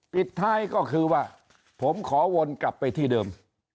ปิดท้ายก็คือว่าผมขอวนกลับไปที่เดิม